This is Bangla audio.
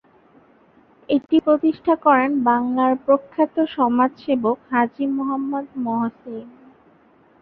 এটি প্রতিষ্ঠা করেন বাংলার প্রখ্যাত সমাজসেবক হাজী মুহাম্মদ মহসিন।